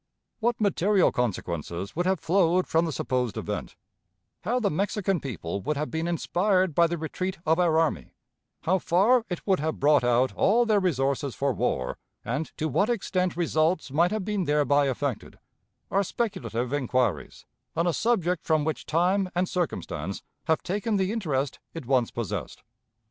What material consequences would have flowed from the supposed event how the Mexican people would have been inspired by the retreat of our army, how far it would have brought out all their resources for war, and to what extent results might have been thereby affected are speculative inquiries on a subject from which time and circumstance have taken the interest it once possessed.